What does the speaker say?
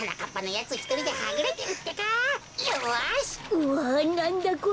うわなんだこれ。